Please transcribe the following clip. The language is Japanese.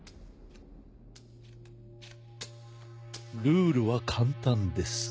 ルールは簡単です。